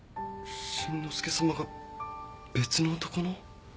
新之介さまが別の男の？